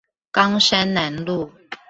岡山南路